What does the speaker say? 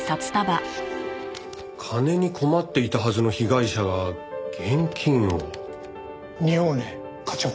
金に困っていたはずの被害者が現金を？におうね課長。